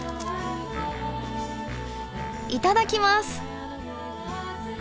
いただきます。